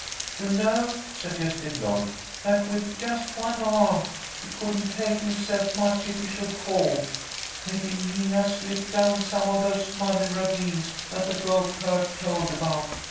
"You know," suggested Lloyd, "that with just one arm he couldn't help himself much if he should fall. Maybe he has slipped down some of those muddy ravines that the goatherd told about.